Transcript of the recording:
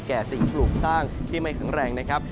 แก่สิ่งปลูกสร้างที่ไม่แข็งแรงนะครับ